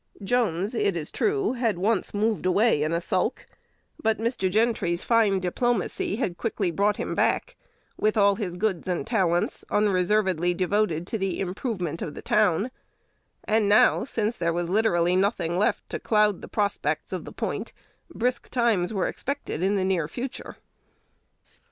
Jones, it is true, had once moved away in a sulk, but Mr. Gentry's fine diplomacy had quickly brought him back, with all his goods and talents unreservedly devoted to the "improvement of the town;" and now, since there was literally nothing left to cloud the prospects of the "point," brisk times were expected in the near future.